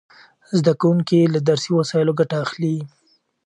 زده کوونکي له درسي وسایلو ګټه اخلي.